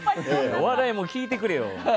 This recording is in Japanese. お笑いも聞いてくれよ。